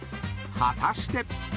［果たして？］